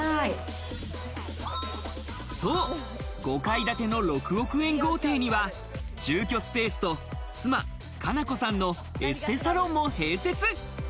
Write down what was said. そう、５階建ての６億円豪邸には住居スペースと妻・加奈子さんのエステサロンも併設。